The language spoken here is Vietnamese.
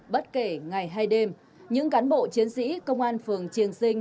bất kể ngày hay đêm những cán bộ chiến sĩ công an phường triềng sinh